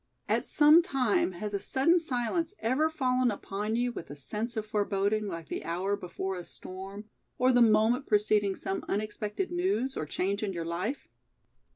At some time has a sudden silence ever fallen upon you with a sense of foreboding like the hour before a storm or the moment preceding some unexpected news or change in your life?